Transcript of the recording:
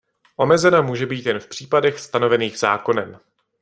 Omezena může být jen v případech stanovených zákonem.